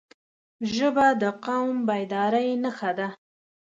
ژبه د قوم بیدارۍ نښه ده